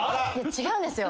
違うんですよ。